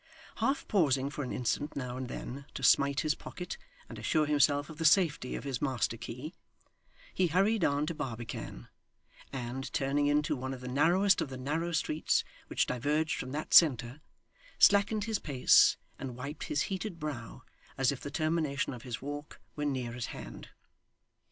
Half pausing for an instant now and then to smite his pocket and assure himself of the safety of his master key, he hurried on to Barbican, and turning into one of the narrowest of the narrow streets which diverged from that centre, slackened his pace and wiped his heated brow, as if the termination of his walk were near at hand.